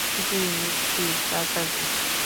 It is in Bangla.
জি নিচ্ছি, চাচাজি।